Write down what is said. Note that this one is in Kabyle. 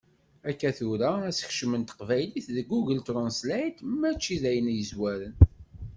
Akka tura, asekcem n teqbaylit deg Google Translate mačči d ayen yezwaren.